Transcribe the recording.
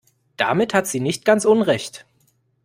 Damit hat sie nicht ganz Unrecht.